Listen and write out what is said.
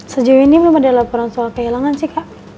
sejauh ini belum ada laporan soal kehilangan sih kak